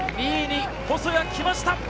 ２位に細谷が来ました。